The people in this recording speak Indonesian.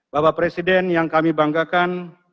bapak presiden yang kami banggakan